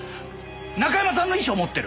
中山さんの遺書持ってる。